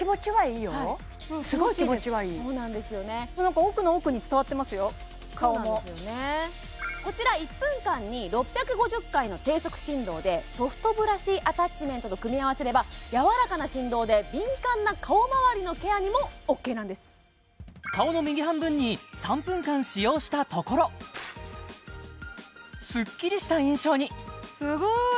すごい気持ちはいい顔もこちら１分間に６５０回の低速振動でソフトブラシアタッチメントと組み合わせればやわらかな振動で敏感な顔まわりのケアにもＯＫなんです顔の右半分に３分間使用したところスッキリした印象にすごい！